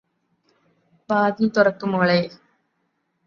വാതിൽ തുറക്ക് മോളെ